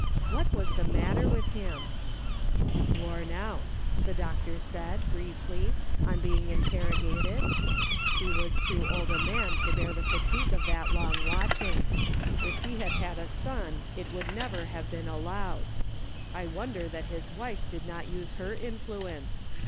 What was the matter with him ?" Worn out,^' the doctor said, briefly, on being in terrogated ;" he was too old a man to bear the fatigue of that long watching. If he had had a son it would never have been allowed. I wonder that his wife did not use her influence.